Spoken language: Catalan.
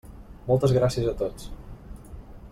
Moltes gràcies a tots.